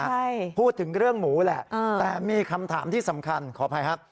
ใช่พูดถึงเรื่องหมูแหละแต่มีคำถามที่สำคัญขออภัยครับ